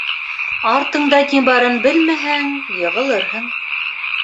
Артында ни барын белмәһәң, йығылырһың.